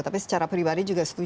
tapi secara pribadi juga setuju